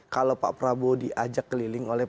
kalau pak prabowo diajak keliling oleh